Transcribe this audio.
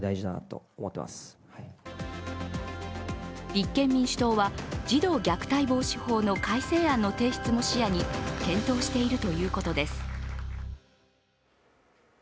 立憲民主党は児童虐待防止法の改正案の提出も視野に検討しているということです。